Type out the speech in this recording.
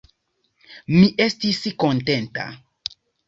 Mi estis kontenta.